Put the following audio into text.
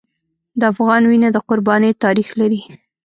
د افغان وینه د قربانۍ تاریخ لري.